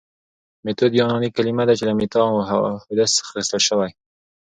ميتود يوناني کلمه ده چي له ميتا او هودس څخه اخستل سوي